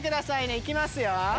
いきますよ。